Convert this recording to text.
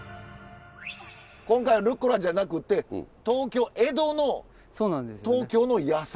今回はルッコラじゃなくて江戸の東京の野菜。